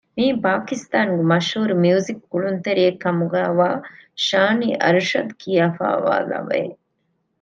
މިއީ ޕާކިސްތާނުގެ މަޝްހޫރު މިއުޒިކު ކުޅުންތެރިއެއް ކަމުގައިވާ ޝާނީ އަރްޝަދް ކިޔާފައިވާ ލަވައެއް